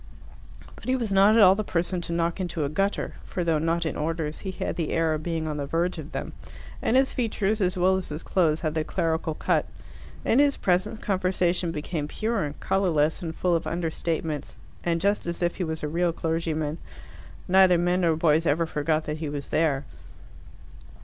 But he was not at all the person to knock into a gutter, for though not in orders, he had the air of being on the verge of them, and his features, as well as his clothes, had the clerical cut. In his presence conversation became pure and colourless and full of understatements, and just as if he was a real clergyman neither men nor boys ever forgot that he was there.